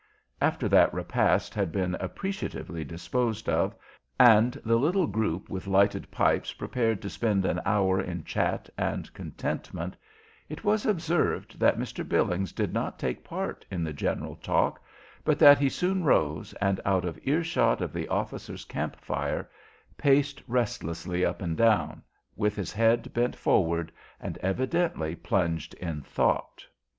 After that repast had been appreciatively disposed of, and the little group with lighted pipes prepared to spend an hour in chat and contentment, it was observed that Mr. Billings did not take part in the general talk, but that he soon rose, and, out of ear shot of the officers' camp fire, paced restlessly up and down, with his head bent forward, evidently plunged in thought.